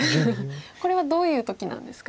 これはどういう時なんですか？